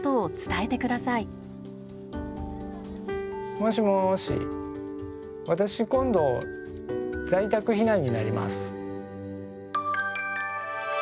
もしもし、私、今度在宅避難になります。